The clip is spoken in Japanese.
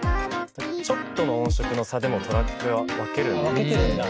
ちょっとの音色の差でもトラックは分けるんで。